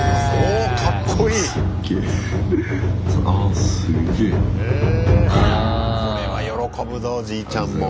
これは喜ぶぞじいちゃんも。